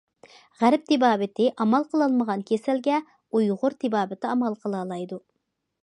غەرب تېبابىتى ئامال قىلالمىغان كېسەلگە ئۇيغۇر تېبابىتى ئامال قىلالايدۇ.